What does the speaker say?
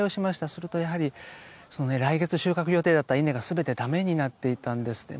すると、やはり来月収穫予定だった稲が全てだめになっていたんですね。